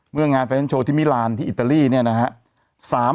เมื่องานแฟนแชลโชว์ที่มิลานที่อิตาลีเนี่ยนะฮะ